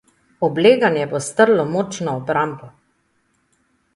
Obleganje bo strlo močno obrambo.